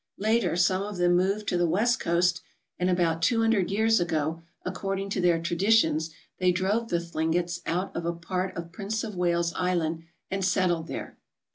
Later some of them moved to the west coast and about two hundred years ago, according to their traditions, they drove the Thlingets out of a part of Prince of Wales Island and settled there.